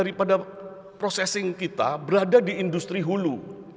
setelah dari prosesing kita berada di industri hulu